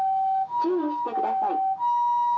注意してください。